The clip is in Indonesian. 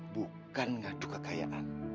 bukan ngadu kekayaan